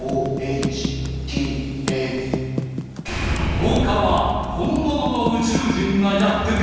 １０日は本物の宇宙人がやって来る！